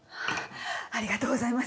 ありがとうございます。